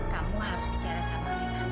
kamu harus bicara sama kita